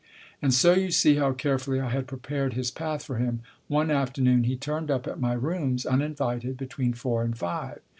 And so you see how carefully I had prepared his path for him one afternoon he turned up at my rooms, uninvited, between four and five.